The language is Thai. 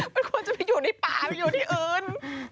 มันควรจะไปอยู่ในป่าไปอยู่ที่อื่น